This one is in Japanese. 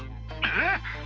えっ？